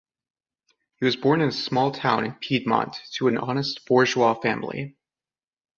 He was born in a small town in Piedmont to an honest bourgeois family.